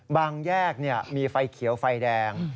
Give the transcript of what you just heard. แยกมีไฟเขียวไฟแดง